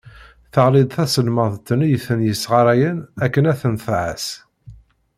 Teɣli-d taselmadt-nni i ten-yesɣarayen akken ad ten-tɛas.